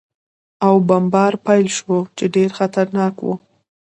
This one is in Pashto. او بمبار پېل شو، چې ډېر خطرناک و.